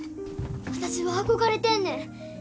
私は憧れてんねん。